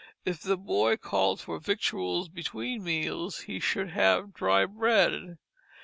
If the boy called for victuals between meals, he should have dry bread.